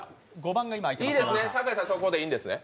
酒井さん、そこでいいですね？